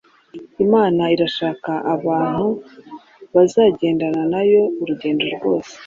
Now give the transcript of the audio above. Imana irashaka abantu bazagendana nayo urugendo rwose.